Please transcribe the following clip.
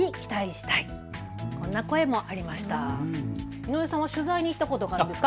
井上さん、取材に行ったことあるんですか。